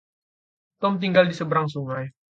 Tom tinggal di seberang sungai.